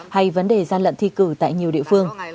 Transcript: hay vấn đề gian lận thi cử tại nhiều địa phương